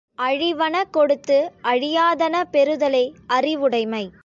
அழிவன கொடுத்து அழியாதன பெறுதலே அறிவுடைமை.